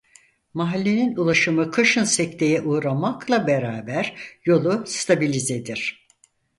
Mahallenin ulaşımı kışın sekteye uğramakla beraber yolu stabilizedir.